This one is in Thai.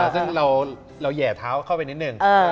ซึ่งเราแห่เท้าเข้าไปนิดนึง